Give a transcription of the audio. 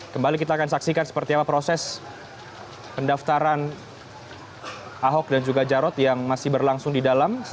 kembali kita akan saksikan seperti apa proses pendaftaran ahok dan juga jarod yang masih berlangsung di dalam